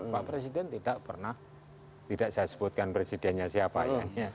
pak presiden tidak pernah tidak saya sebutkan presidennya siapanya